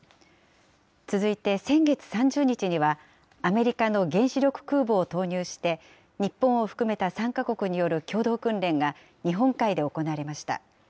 続いて先月３０日には、アメリカの原子力空母を投入して、日本を含めた３か国による共同訓練が日本海で行われました。